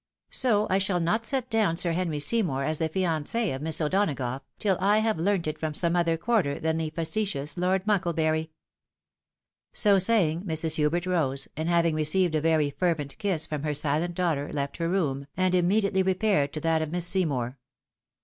So I shall not set down Sir Henry Seymour as thejiance of Miss O'Donagough, till I have learnt it from some other quarter than the facetious Lord Mucklebury." So saying, Mrs. Hubert rose, and, having received a very fervent kiss from her silent daughter, left her room, and im mediately repaired to that of Miss Seymour.